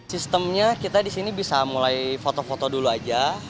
sistemnya kita disini bisa mulai foto foto dulu aja